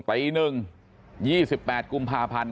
ปหนึ่ง๒๘กุมภาพันธ์